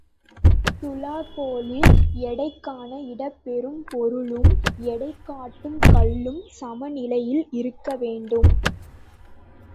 துலாக் கோலில் எடைகாண இடப்புெறும் பொருளும், எடை காட்டும் கல்லும் சமநிலையில் இருக்க வேண்டும்.